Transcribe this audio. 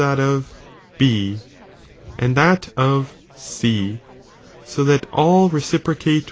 tie that of B, and that of C, so that all § reciprocate nature.